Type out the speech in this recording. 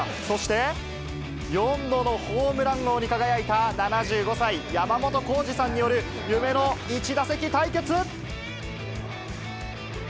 そして、４度のホームラン王に輝いた７５歳、山本浩二さんによる夢の１打席対決。